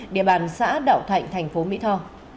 địa bàn xã đạo thạnh thành phố mỹ tho